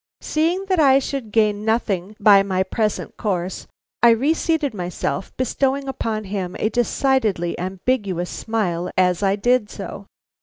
Seeing that I should gain nothing by my present course, I reseated myself, bestowing upon him a decidedly ambiguous smile as I did so.